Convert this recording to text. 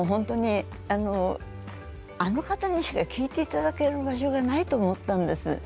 あの方にしか聞いていただける場所がないと思ったんです。